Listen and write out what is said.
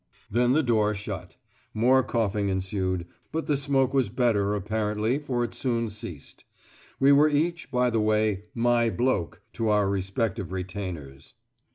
'" Then the door shut. More coughing ensued, but the smoke was better, apparently, for it soon ceased. We were each, by the way, "my bloke" to our respective retainers.